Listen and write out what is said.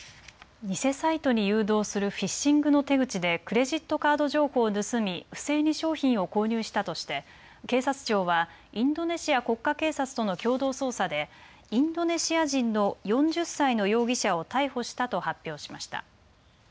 偽サイトに誘導するフィッシングの手口でクレジットカード情報を盗み不正に商品を購入したとして警察庁はインドネシア国家警察との共同捜査でインドネシア人の４０歳の容疑者を逮捕したと発表しました。